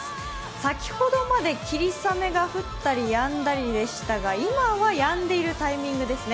先ほどまで霧雨が降ったりやんだりでしたが今はやんでいるタイミングですね。